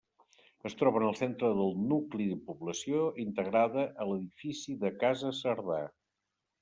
Es troba en el centre del nucli de població, integrada a l'edifici de Casa Cerdà.